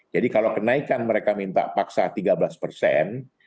jadi kalau kenaikan mereka minta paksa tiga belas persen